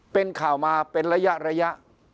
เป็นข่าวมาเป็นระยะ